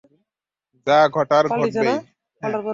যা ঘটার ঘটবেই!